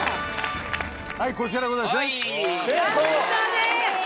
はいこちらでございますね成功。